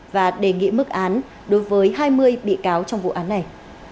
và đề nghị mức án đối với hai mươi bị cáo trong vụ án này